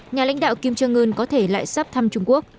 nhà lãnh đạo kim jong un có thể lại sắp thăm trung quốc